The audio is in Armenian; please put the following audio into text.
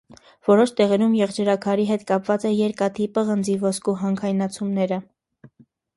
Որոշ տեղերում եղջրաքարի հետ կապված են երկաթի, պղնձի, ոսկու հանքայնացումները։